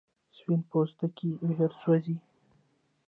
سپین پوستکی ژر سوځي